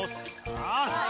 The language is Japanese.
よし！